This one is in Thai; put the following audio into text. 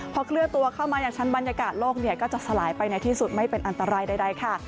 พอเคลื่อนตัวเข้ามาอย่างชั้นบรรยากาศโลกเนี่ยก็จะสลายไปในที่สุดไม่เป็นอันตรายใดค่ะ